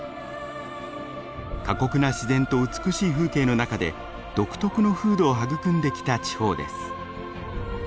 過酷な自然と美しい風景の中で独特の風土を育んできた地方です。